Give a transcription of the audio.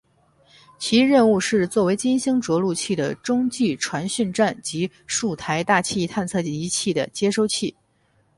其任务是做为金星着陆器的中继传讯站及数台大气探测仪器的接收器。